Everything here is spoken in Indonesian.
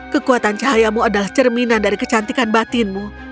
kekuatan cahayamu adalah cerminan dari kecantikan batinmu